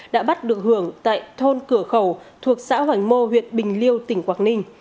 đã bắt được hưởng tại thôn cửa khẩu thuộc xã hoành mô huyện bình liêu tỉnh quảng ninh